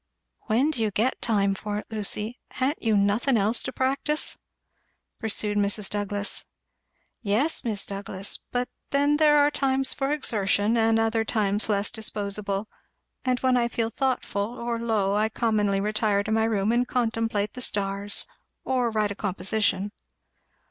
"When do you get time for it, Lucy? ha'n't you nothing else to practise?" pursued Mrs. Douglass. "Yes, Mis' Douglass; but then there are times for exertion, and other times less disposable; and when I feel thoughtful, or low, I commonly retire to my room and contemplate the stars or write a composition."